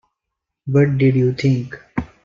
What did you think?